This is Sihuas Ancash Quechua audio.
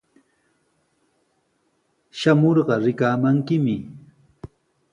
Shamurqa rikamankimi.